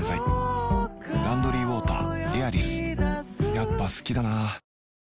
やっぱ好きだな